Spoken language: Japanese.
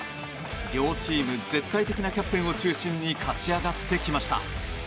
両チーム絶対的なキャプテンを中心に勝ち上がってきました。